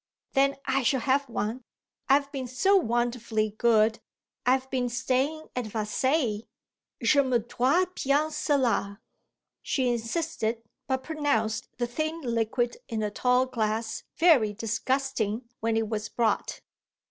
Then I shall have one. I've been so wonderfully good I've been staying at Versailles: je me dois bien cela." She insisted, but pronounced the thin liquid in the tall glass very disgusting when it was brought.